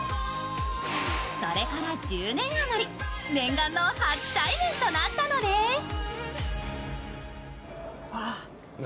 それから１０年余り念願の初対面となったのです。